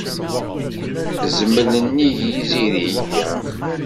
Zmel nnig yizirig-a.